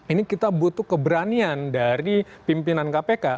ini kita butuh keberanian dari pimpinan kpk